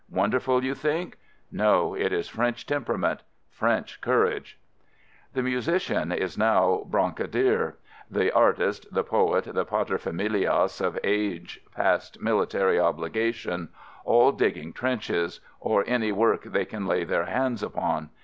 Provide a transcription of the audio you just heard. Wonderful, you think? No, it is French temperament, French courage. The musician is now brancardier. The artist, the poet, the paterfamilias of age past military obligation — all digging trenches — or any work they can lay their hands upon.